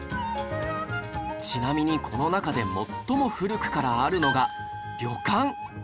ちなみにこの中で最も古くからあるのが旅館